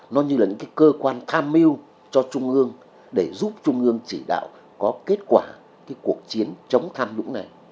nó như là những cái cơ quan tham mưu cho trung ương để giúp trung ương chỉ đạo có kết quả cuộc chiến chống tham nhũng này